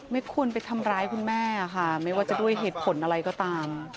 ไม่ควรไปทำร้ายคุณแม่ค่ะไม่ว่าจะด้วยเหตุผลอะไรก็ตาม